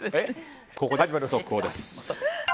ここで速報です。